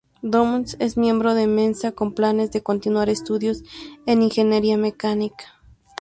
Dumont es miembro de Mensa con planes de continuar estudios en ingeniería mecánica.